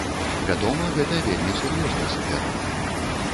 Вядома, гэта вельмі сур'ёзны супернік.